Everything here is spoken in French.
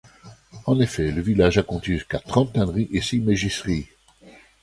En effet, le village a compté jusqu'à trente tanneries et six mégisseries.